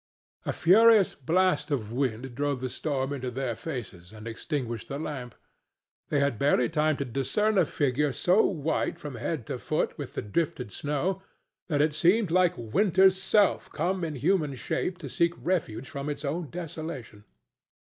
A furious blast of wind drove the storm into their faces and extinguished the lamp; they had barely time to discern a figure so white from head to foot with the drifted snow that it seemed like Winter's self come in human shape to seek refuge from its own desolation.